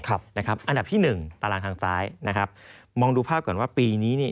อันดับที่๑ตารางทางซ้ายมองดูภาพก่อนว่าปีนี้